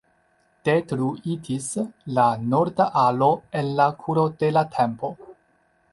Detruitis la norda alo en la kuro de la tempo.